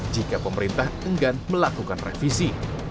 jika pemerintah enggan melakukan revisi